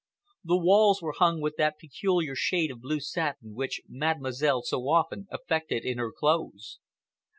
The walls were hung with that peculiar shade of blue satin which Mademoiselle so often affected in her clothes.